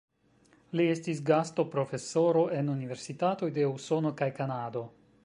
Li estis gastoprofesoro en universitatoj de Usono kaj Kanado.